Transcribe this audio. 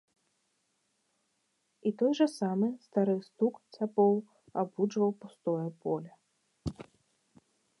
І той жа самы стары стук цапоў абуджваў пустое поле.